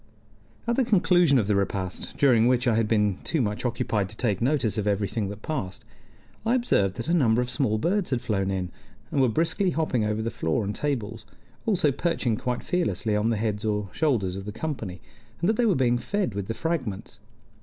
At the conclusion of the repast, during which I had been too much occupied to take notice of everything that passed, I observed that a number of small birds had flown in, and were briskly hopping over the floor and tables, also perching quite fearlessly on the heads or shoulders of the company, and that they were being fed with the fragments.